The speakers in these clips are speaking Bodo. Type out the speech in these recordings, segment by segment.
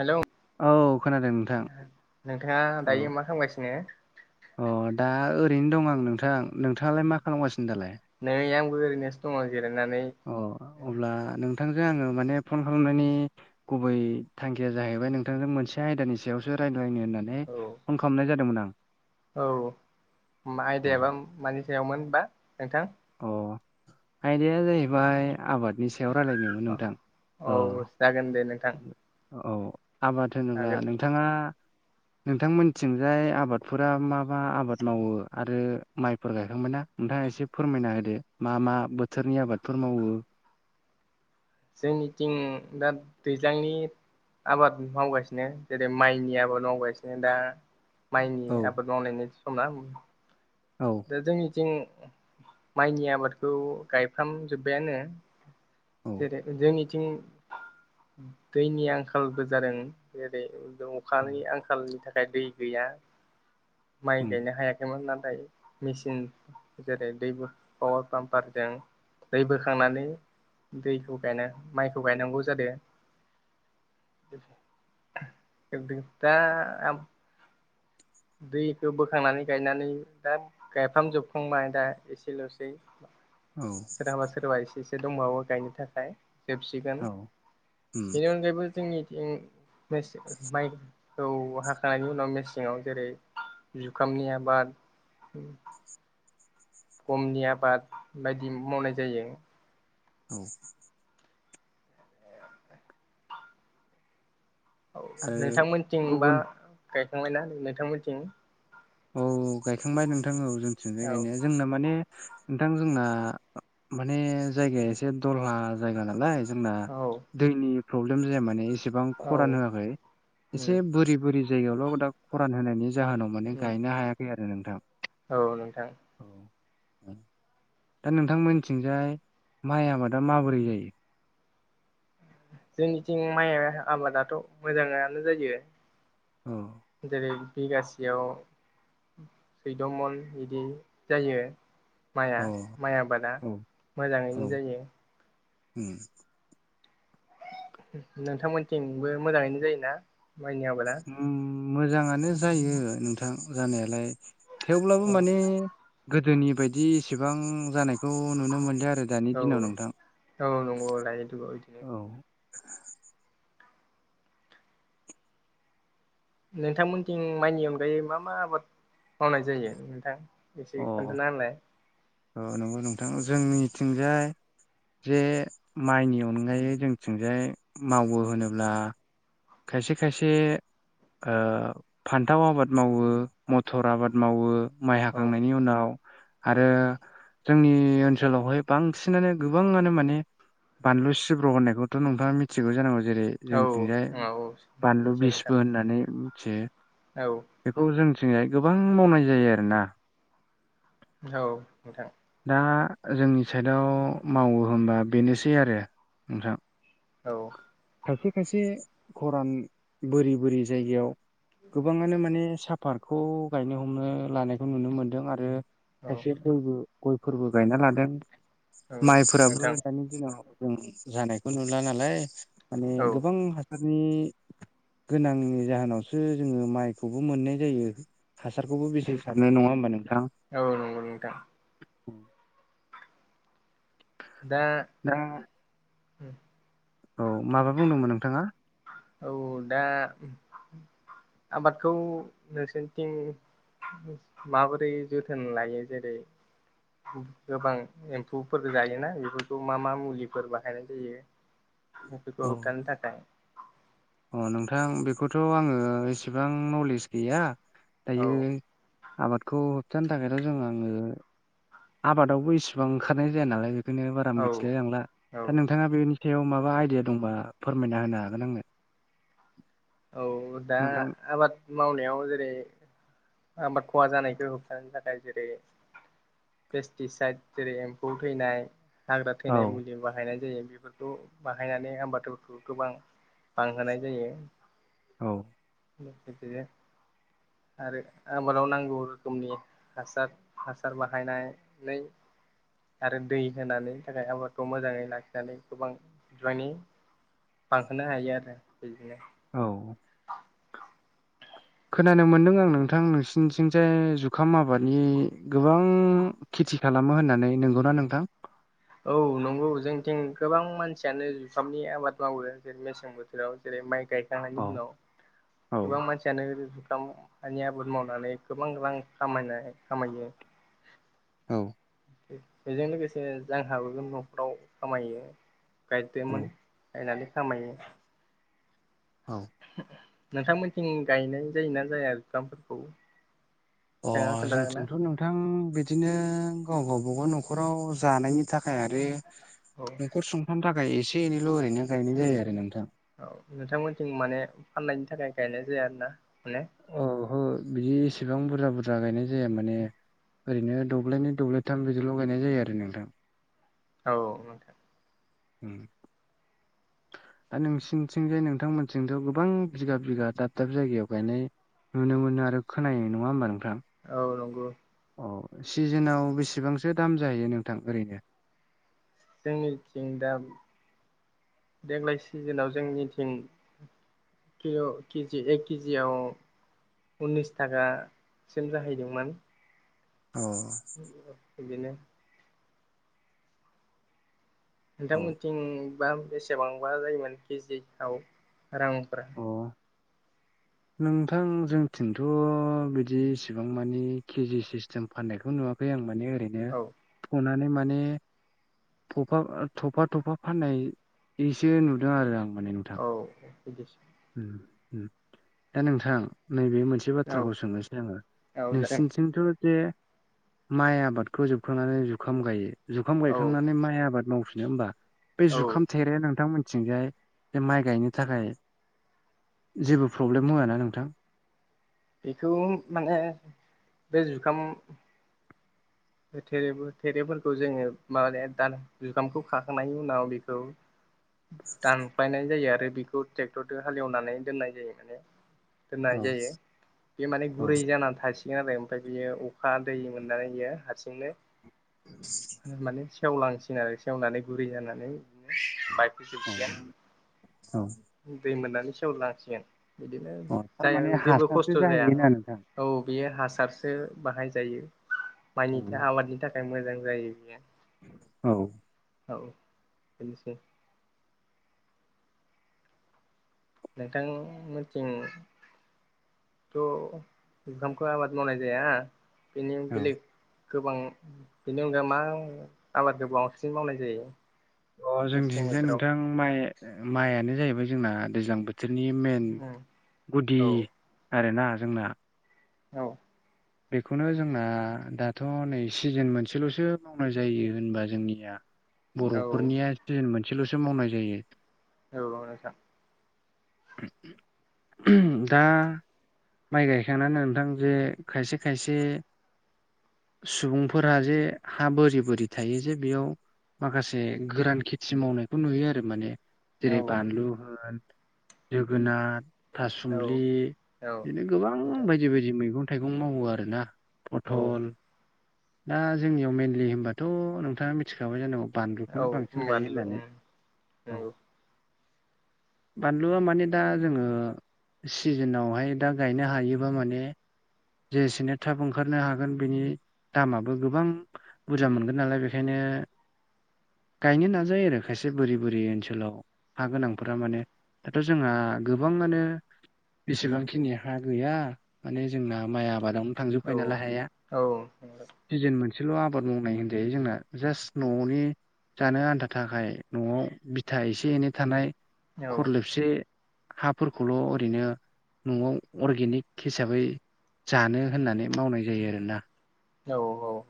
हेलौ औ खोनादों नोंथां नोंथाङा औ दायो मा खालामगासिनो? अ दा ओरैनो दं आं नोंथां नोंथाङालाय मा खालामगासिनो दालाय? नै आंबो ओरैनोसो दङ जिरायनानै। अ अब्ला नोंथांजों आङो माने फन खालामनायनि गुबै थांखिया जाहैबाय नोंथांजों मोनसे आयदानि सायावसो रायलायलायनो होननानै माने औ फन खालामनाय जादोंमोन आं औ मा आयदायाबा मानि सायावमोनबा नोंथां अ आयदाया जाहैबाय आबादनि सायाव रायलायनो औ जागोन दे नोंथां औ आबाद होनोब्ला हागोन नोंथाङा नोंथांमोनथिंजाय आबादफोरा मा मा आबाद मावो आरो माइफोर गायखांबाय ना नोंथाङा एसे फोरमायना होदो मा मा बोथोरनि आबादफोर मावो जोंनिथिं दा दैज्लांनि आबाद मावगासिनो जेरै माइनि आबाद मावगासिनो दा औ माइनि आबाद मावनायनि सम ना औ दा जोंनिथिं माइनि आबादखौ गायफ्राम जोब्बायानो। औ जेरै जोंनि थिं दैनि आंखालबो जादों जेरै उम अखानि आंखालनि थाखाय दै गैया माइ उम गायनो हायाखैमोन नाथाय मेसिन जेरै दै पावार पाम्पारजों दै बोखांनानै दैखौ गायना माइखौ गायनांगौ जादो [inaudible] [unintelligible] दा दैखो बोखांनानै गायनानै दा गायफामजोबखांबाय दा एसेल'सै औ सोरहाबा सोरहाबा एसे एसे दंबावो गायनो थाखाय जोबसिगोन औ उम बेनि अनगायैबो जोंनिथिं मेसें माइ खौ हाखांनि उनाव मेसेङाव जेरै जुखामनि आबाद गमनि आबाद बायदि मावनाय जायो। [inaudible] औ आरो नोंथांमोनथिं बा गुबुन गायखांबायना नोंथांमोनथिं। औ गायखांबाय नोंथां औ जोंथिंजाय औ गायनाया जोंना माने नोंथां जोंना माने जायगाया एसे दहला जायगा नालाय जोंना औ दैनि प्रब्लेम जाया माने एसे बेसेबां औ खरान होआखै उम एसे बुरि बुरि जायगायावल' दा खरान होनायनि जाहोनाव माने उम गायनो हायाखै आरो नोंथां। औ नोंथां। औ दा नोंथांमोनथिंजाय माइ आबादा माबोरै जायो? जोंनिथिं माइ आबादाथ' मोजाङानो जायो। औ जेरै बिगासेयाव सुइद' मन बिदि जायो। माइआ औ माइ आबादा औ मोजाङैनो औ जायो। उम नोंथांमोनथिंबो मोजाङैनो जायोना माइनि आबादा। मोजाङानो जायो नोंथां जानायालाय थेवब्लाबो अ माने गोदोनि बायदि एसेबां जानायखौ नुनो मोनदों आरो दानि औ दिनाव नोंथां औ नंगौ लायो दङ बिदिनो औ नोंथांमोनथिं माइनि अनगायै मा मा आबाद मावनाय जायो नोंथां अ एसे खोन्थाना होलाय औ नंगौ नोंथां जोंनिथिंजाय जे माइनि अनगायै जोंथिंजाय मावो होनोब्ला खायसे खायसे फान्थाव आबाद मावो मथर आबाद मावो माइ औ हाखांनायनि उनाव आरो जोंनि ओनसोलावहाय बांसिनानो गोबाङानो माने बानलु सिब्र' होननायखौथ' नोंथाङा मिथिगौ जानांगौ जेरै जोंथिंजाय औ-औ बिसबो होननानै मिथियो औ बेखौ जोंथिंहाय गोबां मावनाय जायो आरो ना औ नोंथां दा जोंनि साइडआव मावो होनबा बेनोसै आरो नोंथां औ खायसे खायसे खरान बोरि बोरि जायगायाव गोबाङानो माने साफातखौ गायनो हमनो लानायखौ नुनो मोनदों आरो औ खायसे दैबो गयफोरबो गायना लादों औ माइफोराबो नोंथां दानि दिनाव जों जानायखौ नुला नालाय माने औ गोबां हासारनि गोनांनि जाहोनावसो जोङो माइखौबो मोननाय जायो हासारखौबो बेसे सारनो नङा होमबा नोंथाङा औ नंगौ नंथां दा दा औ माबा बुंदोंमोन नोंथाङा औ दा आबादखौ नोंसोरनिथिं माबोरै जोथोन लायो जेरै गोबां एम्फौफोर जायोना बेफोरखौ मा मा मुलिफोर बाहायनाय जायो [inaudible] [unintelligible] खौ अ होखारनो थाखाय अ नोंथां बेखौथ' आङो एसेबां नलेज गैया औ दायो आबादखौ होबथानो थाखायथ' जों आङो आबादावबो इसिबां ओंखारनाय जाया नालाय बेखायनो बारा औ मिथिलाय लांला औ दा नों नोंथाङा बेनि सायाव माबा आइडिया दंबा फोरमायना होनो हागोन आंनो औ दा नोंथां आबाद मावनायाव जेरै आबाद खहा जानायखौ होबथानो थाखाय जेरै पेस्टिसाइद जेरै एम्फौ थैनाय हाग्रा थैनाय औ मुलि बाहायनाय जायो बेफोर खौ बाहायनानै आबादफोरखौ गोबां बांहोनाय जायो औ बेदिनो आरो आबादाव नांगौ रोखोमनि हासार हासार बाहायनाय आरो दै होनानै आबादखौ मोजाङै लाखिनानै गोबां जायनि बांहोनो हायो आरो बिदिनो औ खोनानो मोन्दों आं नोंथां नोंसिनिथिंजाय जुखाम आबादनि गोबां खेथि खालामो होननानै नंगौना नोंथां औ नंगौ जोंथिं गोबां मानसियानो जुखामनि आबाद मावो जेरै मेसें बोथोराव जेरै माइ गाय नायनि अ उनाव औ गोबां मानसियानो बे जुखामानि आबाद मावनानै गोबां रां खामायनाय खामायो औ बेजों लोगोसे जोंहाबो न'खराव खामायो गायदोमोन गायनानै खामायो औ नोंथांमोनथिं गायनाय जायोना जाया आरो जुखामफोरखौ अ नोंथाङा खोन्थानो हागोन ना जोंथिंथ' नों नोंथां बिदिनो गाव गावबागाव न'खराव जानायनि थाखाय आरो औ न'खर सुंथानो थाखाय एसे एनैल' ओरैनो गायनाय जायो आरो नोंथां औ नोंथांमोनथिं माने फाननायनि थाखाय गायनाय जाया आरोना माने औहो बिदि एसेबां बुरजा बुरजा गायनाय जाया माने ओरैनो दब्लायनै दब्लायथाम बिदिल' गायनाय जायो आरो नोंथां औ नोंथां उ आरो नोंसिनिथिंजाय नोंथांमोनथिंथ' गोबां बिगा बिगा दाब दाब जायगायाव गायनाय नुनो मोनो आरो खोनायो नङा होमबा नोंथां औ नंगौ औ सिजोनाव बेसेबांसो दाम जाहैयो नोंथां ओरैनो जोंनिथिं दा देग्लाय सिजोनाव जोंनिथिं किल' केजि एक केजियाव उननिस थाखासिम जाहैदोंमोन अ बिदिनो औ नोंथांमोनथिंबा बेसेबांबा जायोमोन केजिआव रांफोरा नोंथां जोंथिंथ' बिदि इसिबां मानि केजि सिस्टेम फाननायखौ नुवा खै आं माने ओरैनो औ फनानै माने थफा थफा थफा फाननाय इदिसो नुदों आरो आं माने नोंथां औ बिदिसो [unintelligible] दा नोंथां नैबे मोनसे से औ बाथ्राखौ सोंनोसै आङो औ जागोन नोंसिनिथिंथ' जे माइ आबादखौ जोबखांनानै जुखाम गायो जुखाम औ गायखांनानै माइ आबाद मावफिनो होमबा बे औ जुखाम थेराया नोंथां मोननिथिंजाय बे माइ गायनो थाखाय जेबो प्रब्लेम होआ ना नोंथां बेखौ माने बे जुखाम [inaudible] थेरे थेरेफोरखौ जोङो माने दान जुगामखौ खाखांनायनि उनाव बेखौ दानख्लायनाय जायो आरो बेखौ ट्रेक्टरदो हालेवनानै दोननाय जायो माने दोननाय औ जायो बे माने औ गुरै जानानानै थासिगोन आरो ओमफ्राय बियो अखा दै मोननानै बियो हारसिंनो माने सेवलांसिनगोन‌ आरो सेवनानै गुरै जानानै बिदिनो बाइ [unintelligible] औ सिगोन औ दै मोननानै सेवलांसिगोन बिदिनो औ जाय थारमाने जेबो खस्थ' हासारसो जाहैयोना नोंथां औ बेयो हासारसो बाहाय जायो माइनि आबादनि थाखाय मोजां जायो बियो औ औ औ बेनोसै नोंथां मोनथिं थ' जुखामखौ आबाद मावनाय जाया बेनि औ बेलेग गोबां बेनि अनगा मा आबाद बांसिन मावनाय जायो अ मेसें जोंनिथिंज बोथोराव नोंथां माइ माइआनो जाहैबाय जोंना दैज्लां बोथोर बिसोरनि मेन गुदि औ आरोना जोंना औ बेखौनो जोंना दाथ' नै सिजोन मोनसेल'सो मावनाय जायो होनबा जोंनिया औ बर'फोरनिया सिजोन मोनसेल'सो मावनाय जायो औ नोंगौ नोंथां दा माइ गायखांनानै नोंथां जे खायसे खायसे सुबुंफोरा जे हा बोरि बोरि थायो जे बेयाव माखासे गोरान खेथि मावनायखौ नुयो आरो माने औ जेरै बानलु होन जोगोनार, औ थासुमलि औ बिदिनो गोबां नोंथां बायदि बायदि मैगं थाइगं मावो आरोना औ पथल दा जोंनियाव मेेनलि होनबाथ' नोंथाङा मिथिखाबाय जेनांगौ औ बानलुखौनो बांसिन गायो बानलु होननानै औ नंगौ बानलुआ माने दा जोङो सिजोनावहाय दा गायनो हायोबा माने जेसेनो थाब ओंखारनो हागोन बेनि दामाबो गोबां बुरजा मोनगोन नालाय बेखायनो गायनो नाजायो आरो खायसे बोरि बोरि ओनसोलाव हा गोनांफोरा माने दाथ' जोंहा गोबांआानो बेसेबांखिनि हा गैया माने जोंना माइ आबादावनो औ थांजोबखायो नालाय हाया औ औ सिजोन मोनसेल' आबाद मावनाय होनजायो जोंना जास्ट न'नि जानो आन्था थाखाय न'आव बिथा एसे एनै थानाय खरलेबसे हाफोरखौल' ओरैनो न'आव अरगेनिक हिसाबै जानो होननानै मावनाय जायो आरोना औ औ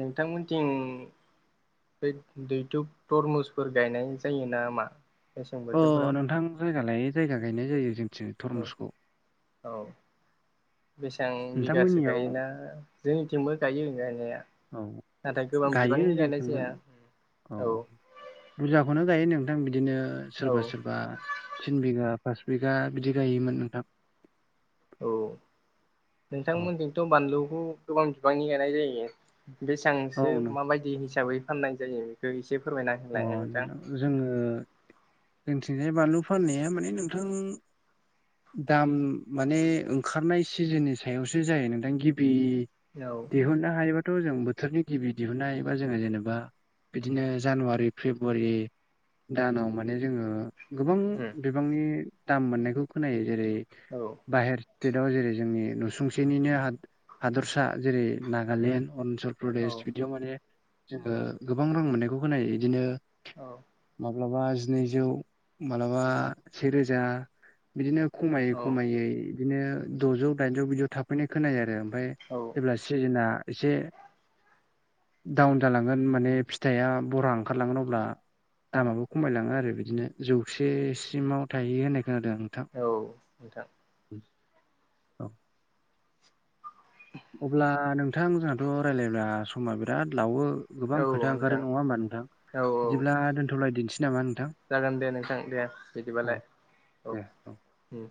नोंथांमोनथिं बे दैथ' तरमुसफोर गायनाय जायो ना मा? अ नोंथां जायगा लायै जायगा गायनाय जायो जोंथिं औ तरमुसखौ औ बेसां बिगासो नोंथांमोननियाव गायोना जोंनिथिंबो गायो गायनाया औ नाथाय गोबां गायो बिबांनि गायनाय जोंथिंबो जाया औ बुजाखौनो गायो नोंथां बिदिनो औ सोरबा सोरबा थिन बिघा पास बिगा बिदि गायोमोन नोंथां औ औ नोंथांमोनजोंथ' बानलुखौ गोबां बिबांनि गानाय जायो औ बेसांसो नों माबायदि हिसाबै फाननाय जायो बेखौ एसे फोरमायना अ होलाय नोंथां जोङो जोंथिजाय बानलु फाननाया माने नोंथां दाम माने ओंखारनाय सिजोननि सायावसो जायो नोंथां गिबि औ दिहुननो हायोबाथ' जों बोथोरनि गिबि दिहुननो हायोबा जोङो जेनेबा बिदिनो जानुवा रि फेब्रुवारि दानाव माने जोङो गोबां उम बिबांनि दाम मोननायखौ खोनायो जेरै औ बाहेर स्टेटआव जेरै जोंनि नुसुंसेनिनो हा हादरसा जेरै नागालेण्ड अरुणाचल औ प्रदेस बिदियाव माने जोङो गोबां रां मोननायखौ खोनायो बिदिनो औ माब्लाबा जिनैजौ माब्लाबा सेेरोजा बिदिनो खमायै औ खमायै बिदिनो द'जौ दाइनजौ बिदि थाफैनाय खोनायो आरो ओमफ्राय औ जेब्ला सिजोनआ एसे डाउन जालांगोन माने फिथाया बरा ओंखारलांगोन अब्ला दामाबो खमायलाङो आरो बिदिनो जौसेसिमाव थाहैयो होननाय खोनादों आं औ नोंथां औ अब्ला नों नोंथां जोंहाथ' रायलायब्ला समा बिराद लावो औ गोबां खोथा ओंखारो नोंथां नंङा होमबा नोंथां औ औ बिदिब्ला दोनथ'लायदोनोसै नामा नोंथां जागोन दे नोंथां दे औ बिदिबालाय दे औ उम